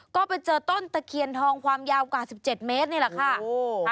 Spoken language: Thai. ก็ไปเจอต้นตะเคียนทองความยาวกว่า๑๗เมตรนี่แหละค่ะ